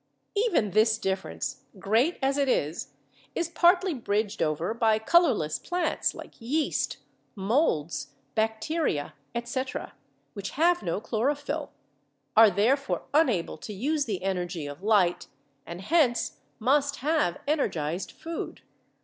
Even this difference, great as it is, is partly bridged over by colorless plants like yeast, molds, bacteria, etc., which have no chlorophyll, are therefore unable to use the energy of light, and hence must have energized food.